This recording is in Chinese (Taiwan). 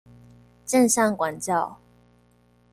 正向管教